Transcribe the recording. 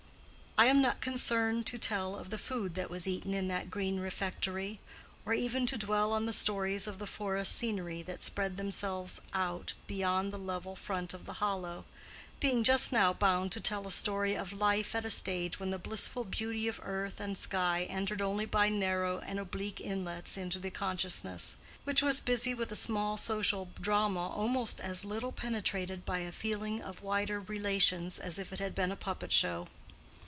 I am not concerned to tell of the food that was eaten in that green refectory, or even to dwell on the stories of the forest scenery that spread themselves out beyond the level front of the hollow; being just now bound to tell a story of life at a stage when the blissful beauty of earth and sky entered only by narrow and oblique inlets into the consciousness, which was busy with a small social drama almost as little penetrated by a feeling of wider relations as if it had been a puppet show.